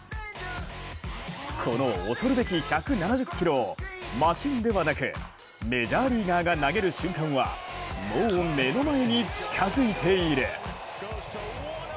この恐るべき１７０キロをマシンではなくメジャーリーガーが投げる瞬間はもう目の前に近づいている。